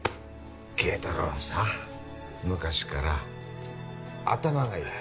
敬太郎はさ昔から頭がいい。